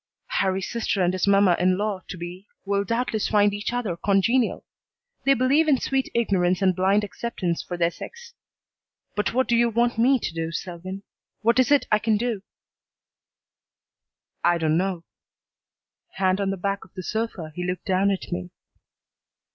"Harrie's sister and his mamma in law to be will doubtless find each other congenial. They believe in sweet ignorance and blind acceptance for their sex. But what do you want me to do, Selwyn? What is it I can do?" "I don't know." Hand on the back of the sofa, he looked down at me.